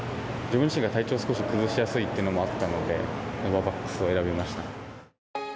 自分自身が体調少し崩しやすいっていうのもあったので、ノババックスを選びました。